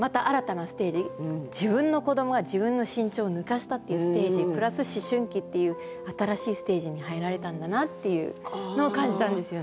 自分の子どもが自分の身長を抜かしたっていうステージプラス思春期っていう新しいステージに入られたんだなっていうのを感じたんですよね。